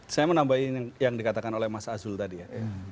saya menambahin yang dikatakan oleh mas azul tadi ya